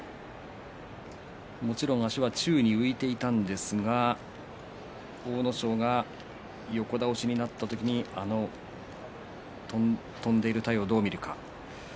もちろん足は宙に浮いていたんですが阿武咲が横倒しになった時にあの飛んでいる体をどう見るか。